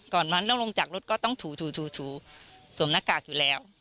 ก่อนมันเราลงจากรถก็ต้องถูถูถูถูสวมหน้ากากอยู่แล้ว